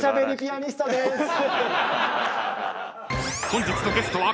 ［本日のゲストは］